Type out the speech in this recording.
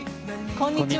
こんにちは。